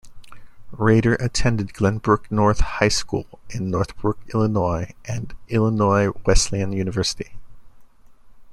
Rader attended Glenbrook North High School in Northbrook, Illinois, and Illinois Wesleyan University.